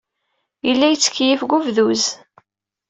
Yella yettkeyyif deg ubduz.